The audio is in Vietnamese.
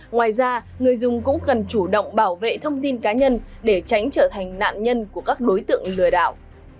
ngoài ra người dùng cũng cần chủ động bảo vệ thông tin cá nhân để tránh trở thành nạn nhân của các đối tượng lừa đảo